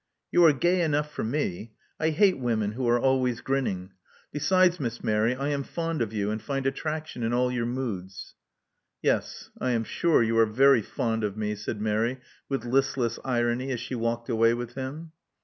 You are gay enough for me. I hate women who are always grinning. Besides, Miss Mary, I am fond of you, and find attraction in all your moods." Yes, I am sure you are very fond of me," said Mary with listless irony, as she walked away with him.